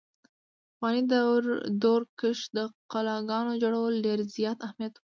په پخواني دور کښې د قلاګانو جوړولو ډېر زيات اهميت وو۔